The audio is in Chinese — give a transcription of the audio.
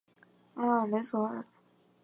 拉尔雷索尔。